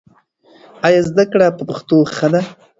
ایا زده کړه په پښتو ښه ده؟